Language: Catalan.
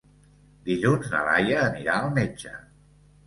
Dilluns na Laia anirà al metge.